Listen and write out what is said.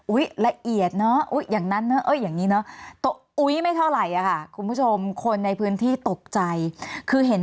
อุ๊ยละเอียดเนาะอย่างนั้นเนอะอุ้ยไม่เท่าไหร่คุณผู้ชมคนในพื้นที่ตกใจคือเห็น